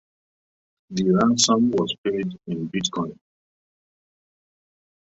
The ransom was paid in Bitcoin.